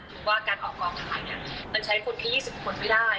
หรือว่าการออกกองถ่ายเนี่ยมันใช้คนแค่๒๐คนไม่ได้